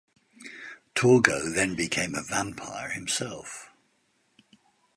Torgo then became a vampire himself.